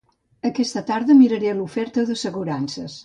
Aquesta tarda miraré l'oferta d'assegurances